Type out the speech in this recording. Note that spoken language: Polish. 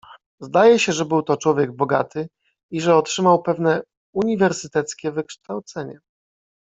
"Zdaje się, że był to człowiek bogaty i że otrzymał pewne uniwersyteckie wykształcenie."